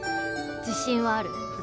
自信はある。